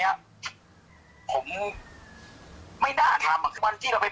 แม่ยังคงมั่นใจและก็มีความหวังในการทำงานของเจ้าหน้าที่ตำรวจค่ะ